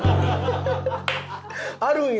あるんや？